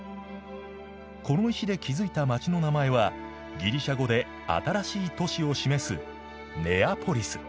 この石で築いた街の名前はギリシャ語で「新しい都市」を示す「ネアポリス」。